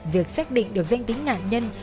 việc xác định được danh tính nạn nhân